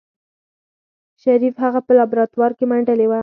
شريف هغه په لابراتوار کې منډلې وه.